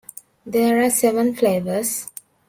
There are seven flavours.